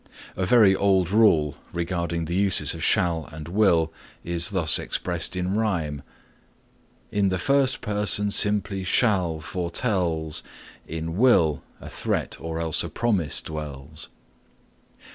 A very old rule regarding the uses of shall and will is thus expressed in rhyme: In the first person simply shall foretells, In will a threat or else a promise dwells.